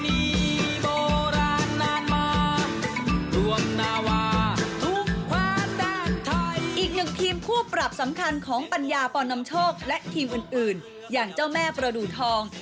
อีกหนึ่งทีมคู่ปรับสำคัญของปัญญาปอนำโชคและทีมอื่นอื่นอย่างเจ้าแม่ประดูกทอง